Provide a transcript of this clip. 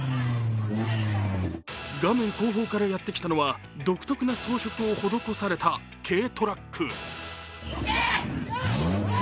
画面後方からやってきたのは独特の装飾を施された軽トラック。